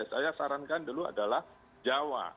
saya sarankan dulu adalah jawa